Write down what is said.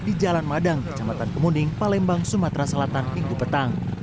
di jalan madang kecamatan kemuning palembang sumatera selatan minggu petang